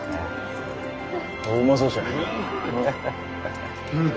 おうまそうじゃないか。